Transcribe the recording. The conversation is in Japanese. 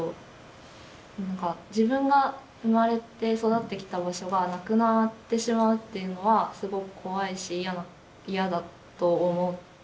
自分が生まれて育ってきた場所がなくなってしまうっていうのはすごく怖いし嫌だと思うし。